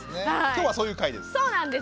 今日はそういう回です。